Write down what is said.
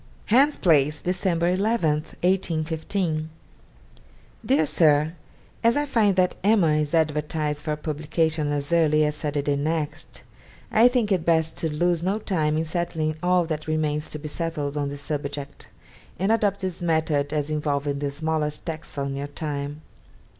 'Hans Place, December 11 (1815). 'DEAR SIR, As I find that "Emma" is advertised for publication as early as Saturday next, I think it best to lose no time in settling all that remains to be settled on the subject, and adopt this method as involving the smallest tax on your time.